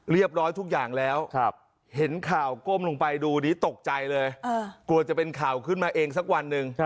ทุกอย่างแล้วเห็นข่าวก้มลงไปดูดิตกใจเลยกลัวจะเป็นข่าวขึ้นมาเองสักวันหนึ่ง